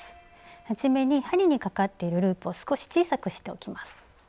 はじめに針にかかっているループを少し小さくしておきます。